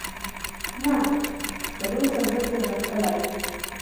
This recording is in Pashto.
نه، تراوسه زه پرې غښتلی یم.